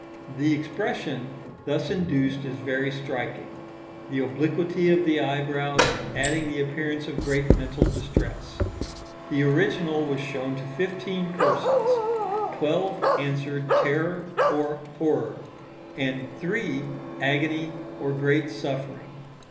The expression thus induced is very striking (see Plate VII. fig. 2); the obliquity of the eyebrows adding the appearance of great mental distress. The original was shown to fifteen persons; twelve answered terror or horror, and three agony or great suffering.